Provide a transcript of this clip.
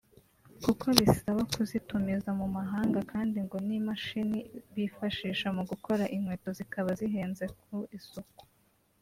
kuko bibasaba kuzitumiza mu mahanga kandi ngo n'imashini bifashisha mu gukora inkweto zikaba zihenze ku isoko